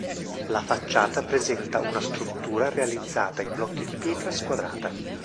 La facciata presenta una struttura realizzata in blocchi di pietra squadrata.